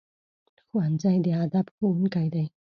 ښوونځی د ادب ښوونکی دی